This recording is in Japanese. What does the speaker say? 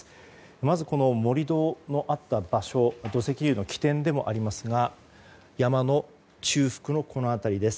まずは盛り土のあった場所土石流の起点でもありますが山の中腹の、この辺りです。